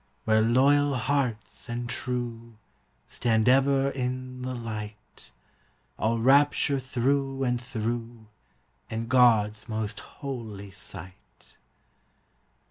Where loyal hearts and true Stand ever in the light, All rapture through and through, In God's most holy sight.